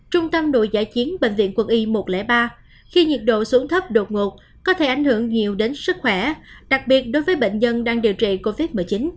trung tâm đội giải chiến bệnh viện quân y một trăm linh ba khi nhiệt độ xuống thấp đột ngột có thể ảnh hưởng nhiều đến sức khỏe đặc biệt đối với bệnh nhân đang điều trị covid một mươi chín